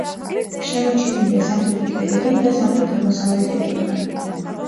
შემორჩენილია სამხრეთი კედელი და სამხრეთ-აღმოსავლეთი კუთხე.